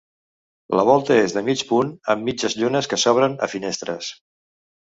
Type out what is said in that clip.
La volta és de mig punt amb mitges llunes que s'obren a finestres.